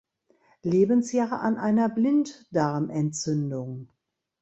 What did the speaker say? Lebensjahr an einer Blinddarmentzündung.